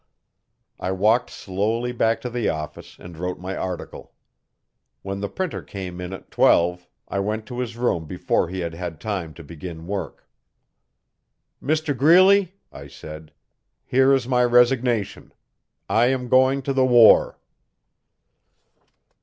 I walked slowly back to the office and wrote my article. When the Printer came in at twelve I went to his room before he had had time to begin work. 'Mr Greeley,' I said, 'here is my resignation. I am going to the war.'